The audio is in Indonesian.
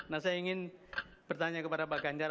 nah saya ingin bertanya kepada pak ganjar